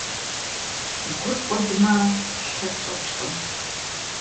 Gur k'uedme, lher ş'eç'ırkhım.